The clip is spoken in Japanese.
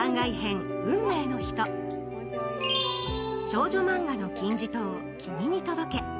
少女漫画の金字塔「君に届け」。